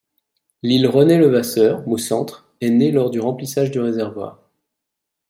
L'Île René-Levasseur, au centre, est née lors du remplissage du réservoir.